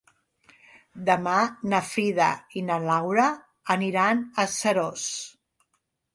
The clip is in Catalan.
Demà na Frida i na Laura aniran a Seròs.